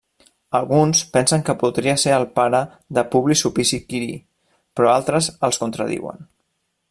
Alguns pensen que podria ser el pare de Publi Sulpici Quirí, però altres els contradiuen.